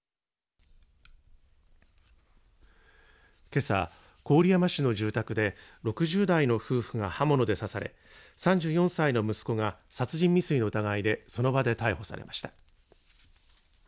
けさ郡山市の住宅で６０代の夫婦が刃物で刺され３４歳の息子が殺人未遂の疑いでその場で逮捕されました。